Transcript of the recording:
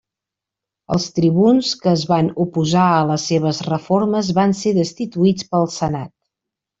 Els tribuns que es van oposar a les seves reformes van ser destituïts pel Senat.